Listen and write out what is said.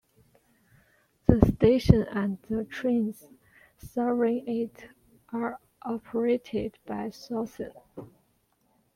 The station and the trains serving it are operated by Southern.